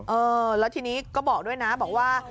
เออแล้วทีนี้ก็บอกด้วยนะบอกว่า